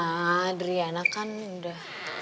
ma adrian kan udah